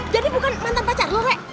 jadi bukan mantan pacar lo rek